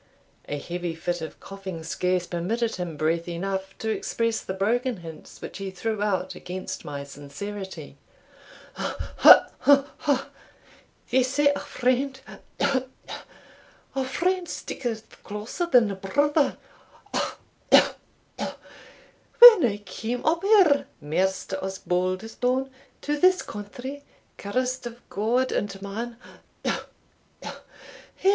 A heavy fit of coughing scarce permitted him breath enough to express the broken hints which he threw out against my sincerity. "Uh! uh! uh! uh! they say a friend uh! uh! a friend sticketh closer than a brither uh! uh! uh! When I came up here, Maister Osbaldistone, to this country, cursed of God and man uh!